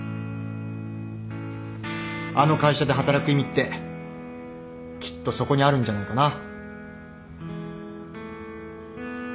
あの会社で働く意味ってきっとそこにあるんじゃないかな。